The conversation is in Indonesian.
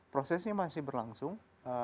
prosesnya masih berlangsung